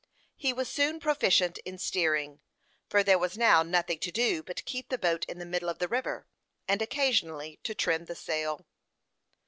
He was soon proficient in steering, for there was now nothing to do but keep the boat in the middle of the river, and occasionally to trim the sail.